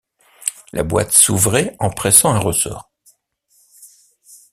La boîte s’ouvrait en pressant un ressort.